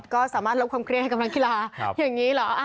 ก็สามารถลบความเครียดให้กำลังกีฬาอย่างนี้เหรอ